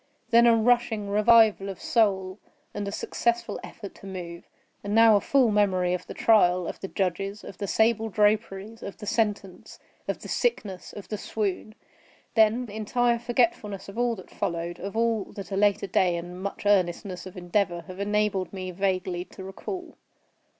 Then a rushing revival of soul and a successful effort to move. And now a full memory of the trial, of the judges, of the sable draperies, of the sentence, of the sickness, of the swoon. Then entire forgetfulness of all that followed; of all that a later day and much earnestness of endeavor have enabled me vaguely to recall.